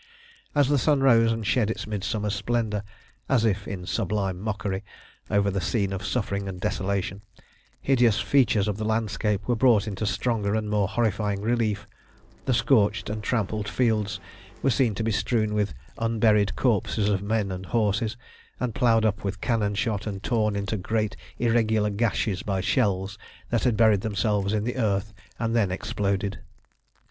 As the sun rose and shed its midsummer splendour, as if in sublime mockery, over the scene of suffering and desolation, hideous features of the landscape were brought into stronger and more horrifying relief; the scorched and trampled fields were seen to be strewn with unburied corpses of men and horses, and ploughed up with cannon shot and torn into great irregular gashes by shells that had buried themselves in the earth and then exploded.